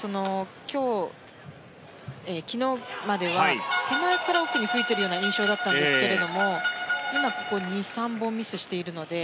昨日までは手前から奥に吹いているような印象だったんですけれども今、２３本ミスしているので。